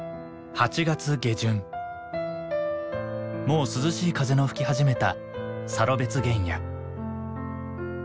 もう涼しい風の吹き始めたサロベツ原野。